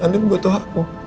angin butuh aku